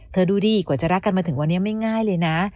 ดูดีกว่าจะรักกันมาถึงวันนี้ไม่ง่ายเลยนะ